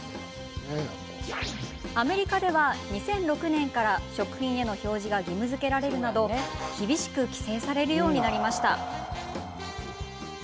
アメリカでは２００６年から食品への表示が義務づけられるなど厳しく規制されるようになりました。